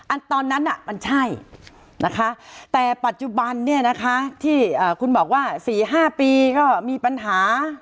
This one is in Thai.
อันตอนนั้นมันใช่แต่ปัจจุบันที่คุณบอกว่า๔๕ปีก็มีปัญหา